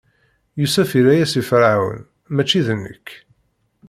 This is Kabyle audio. Yusef irra-yas i Ferɛun: Mačči d nekk!